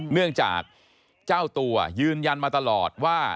เนื่องจากเจ้าตัวยืนยันมาตลอดว่า